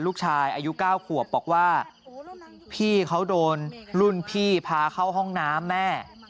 ลูกชายอายุ๙ขวบบอกว่าพี่เขาโดนรุ่นพี่พาเข้าห้องน้ำแม่